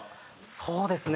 そうですね